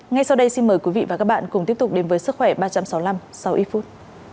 ngay sau đây xin mời quý vị và các bạn cùng tiếp tục đến với sức khỏe ba trăm sáu mươi năm sau ít phút